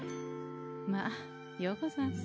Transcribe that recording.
まあようござんす。